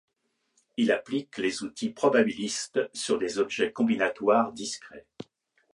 Il applique les outils probabilistes sur des objets combinatoires discrets.